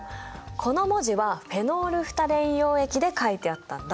この文字はフェノールフタレイン溶液で書いてあったんだ。